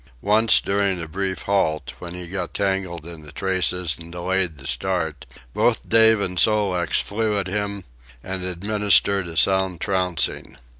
Once, during a brief halt, when he got tangled in the traces and delayed the start, both Dave and Sol leks flew at him and administered a sound trouncing.